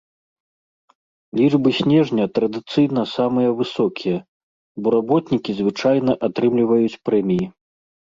Лічбы снежня традыцыйна самыя высокія, бо работнікі звычайна атрымліваюць прэміі.